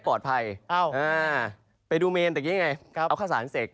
ปลอดภัยอ้าวอ่าไปดูเมนต์เนี้ยไงครับเอาข้าวสารเสก